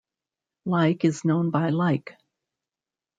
Like is known by like.